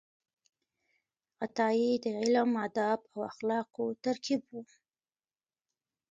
عطايي د علم، ادب او اخلاقو ترکیب و.